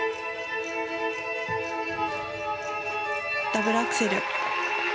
ダブルアクセル。